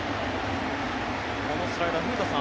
このスライダー古田さん